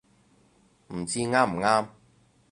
唔知啱唔啱